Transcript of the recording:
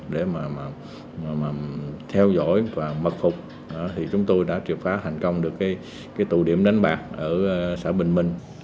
để mà theo dõi và mật phục thì chúng tôi đã triệu phá thành công được cái tù điểm đánh bạc ở xã bình minh